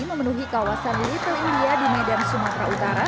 memenuhi kawasan little india di medan sumatra utara